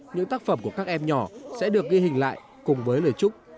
những tác phẩm của các em nhỏ sẽ được ghi hình lại cùng với lời chúc